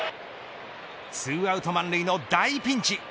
２アウト満塁の大ピンチ。